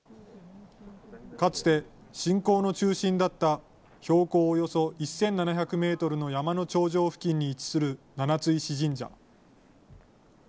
かつて信仰の中心だった、標高およそ１７００メートルの山の頂上付近に位置する七ツ石神社。